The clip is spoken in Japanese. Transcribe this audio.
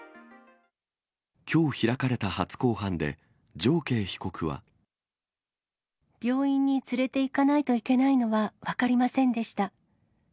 きょう開かれた初公判で、常慶被病院に連れていかないといけないのは分かりませんでした。